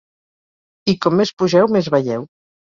...i com més pugeu més veieu.